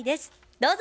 どうぞ。